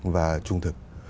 và trung thực